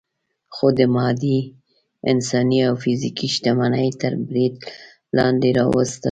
خو د مادي، انساني او فزیکي شتمنۍ تر برید لاندې راوستل.